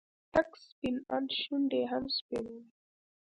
تک سپين ان شونډې يې هم سپينې وې.